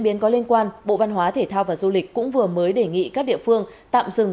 biến có liên quan bộ văn hóa thể thao và du lịch cũng vừa mới đề nghị các địa phương tạm dừng